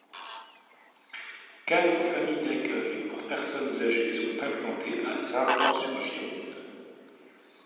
Quatre familles d'accueil pour personnes âgées sont implantées à Saint-Fort-sur-Gironde.